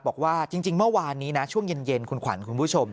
บอกว่าจริงเมื่อวานนี้นะช่วงเย็นคุณขวัญคุณผู้ชม